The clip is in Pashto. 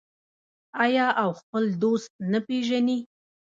آیا او خپل دوست نه پیژني؟